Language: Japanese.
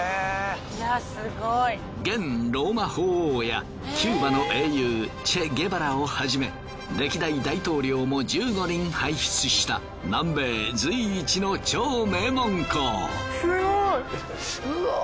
現ローマ法王やキューバの英雄チェ・ゲバラをはじめ歴代大統領も１５人輩出した南米随一の超名門校。